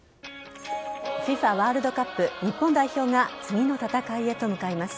ワールドカップ日本代表が次の戦いへと向かいます。